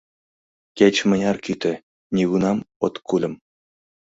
Кеч-мыняр кӱтӧ — нигунам от кульым.